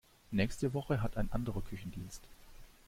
Nächste Woche hat ein anderer Küchendienst.